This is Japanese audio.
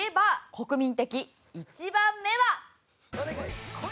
国民的１番目は。